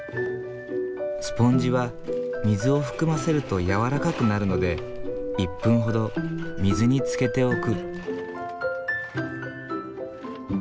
スポンジは水を含ませると軟らかくなるので１分ほど水につけておく。